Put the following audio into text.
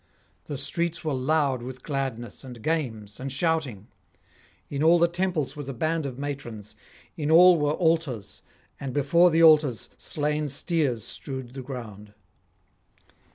The streets were loud with gladness and games and shouting. In all the temples was a band of matrons, in all were altars, and before the altars slain steers strewed the ground.